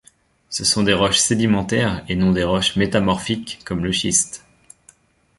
Ce sont des roches sédimentaires et non des roches métamorphiques comme le schiste.